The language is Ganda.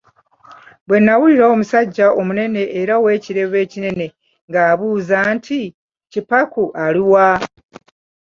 Bwe nawulira omusajja omunene era ow'ekirevu ekinene ng'abuuza nti, Kipaku ali wa?